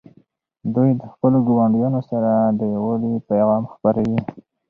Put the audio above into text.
دوی د خپلو ګاونډیانو سره د یووالي پیغام خپروي.